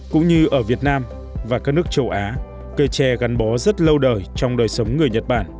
cũng như ở việt nam và các nước châu á cây tre gắn bó rất lâu đời trong đời sống người nhật bản